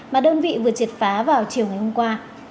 mà đơn vị vừa triệt phá vào chiều ngày hôm qua